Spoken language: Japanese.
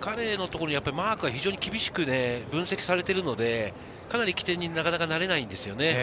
彼のところにマークが非常に厳しく分析されているので、かなり起点になれないんですよね。